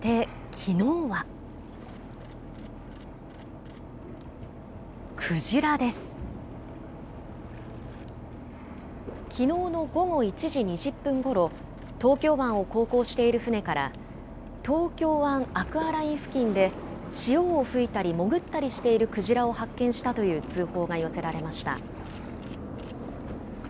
きのうの午後１時２０分ごろ、東京湾を航行している船から、東京湾アクアライン付近で、潮を吹いたり潜ったりしているクジラを発見したという通報が寄せられました。